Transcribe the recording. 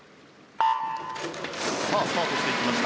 さあスタートしていきました。